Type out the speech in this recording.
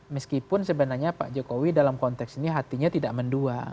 meskipun sebenarnya pak jokowi dalam konteks ini hatinya tidak mendua